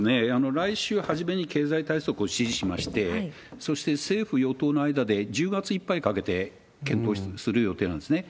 来週初めに経済対策を指示しまして、そして、政府・与党の間で、１０月いっぱいかけて検討する予定なんですね。